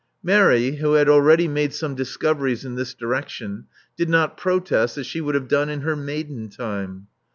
Mary, who [had already made some discoveries in this direction, did not protest as she would have done in her maiden time.